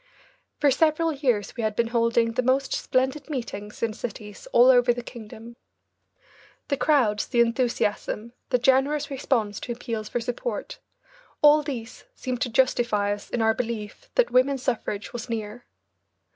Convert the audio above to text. For several years we had been holding the most splendid meetings in cities all over the kingdom. The crowds, the enthusiasm, the generous response to appeals for support, all these seemed to justify us in our belief that women's suffrage was near.